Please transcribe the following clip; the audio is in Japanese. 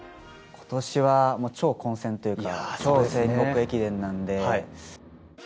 ことしは超混戦というか、超戦国駅伝なんで。